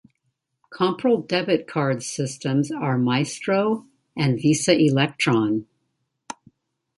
Comparable debit card systems are Maestro and Visa Electron.